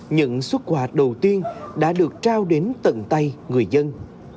những xuất quà đầu tiên đã được trao đến tận tay người dân